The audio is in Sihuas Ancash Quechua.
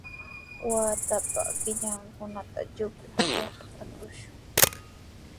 Watapa killankunata yupar yatrakushun.